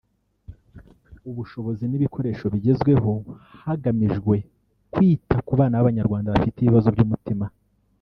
ubushobozi n’ibikoresho bigezweho hagamijwe kwita ku bana b’Abanyarwanda bafite ibibazo by’umutima